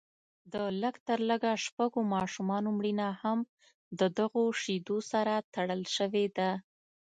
د لږ تر لږه شپږو ماشومانو مړینه هم ددغو شیدو سره تړل شوې ده